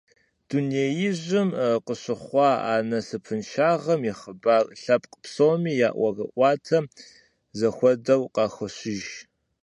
Дунеижьым къыщыхъуа а насыпыншагъэм и хъыбар лъэпкъ псоми я ӀуэрыӀуатэм зэхуэдэу къахощыж.